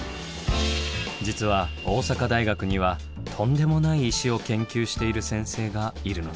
実は大阪大学にはとんでもない石を研究している先生がいるのです。